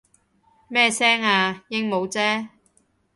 咩聲啊？鸚鵡啫